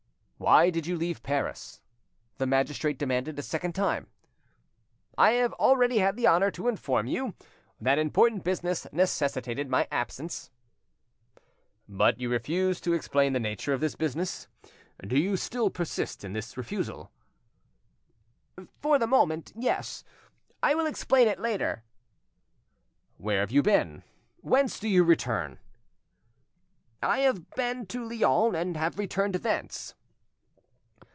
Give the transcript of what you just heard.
"Why did you leave Paris?" the magistrate demanded a second time. "I have already had the honour to inform you that important business necessitated my absence." "But you refused to explain the nature of this business. Do you still persist in this refusal?" "For the moment, yes. I will explain it later." "Where have you been? Whence do you return?" "I have been to Lyons, and have returned thence."